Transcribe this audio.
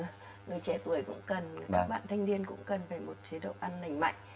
người trẻ tuổi cũng cần các bạn thanh niên cũng cần phải một chế độ ăn lành mạnh